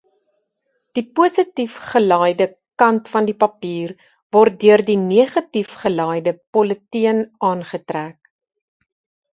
Die positief-gelaaide kant van die papier word deur die negatief-gelaaide politeen aangetrek.